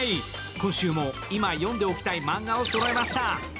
今週も今呼んでおきたいマンガをそろえました。